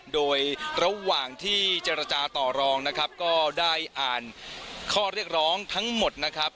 โดยระหว่างที่เจรจาต่อรองนะครับก็ได้อ่านข้อเรียกร้องทั้งหมดนะครับ